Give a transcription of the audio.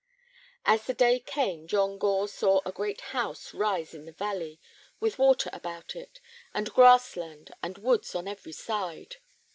As the day came John Gore saw a great house rise in the valley, with water about it, and grass land and woods on every side.